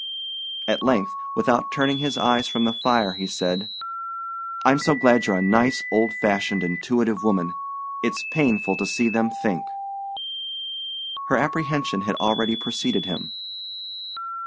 At length, without turning his eyes from the fire, he said: "I'm so glad you're a nice old fashioned intuitive woman. It's painful to see them think." Her apprehension had already preceded him.